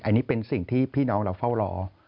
อันนี้เป็นสิ่งที่พี่น้องเราเฝ้ารอ